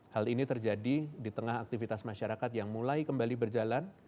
hal ini terjadi di tengah aktivitas masyarakat yang mulai kembali berjalan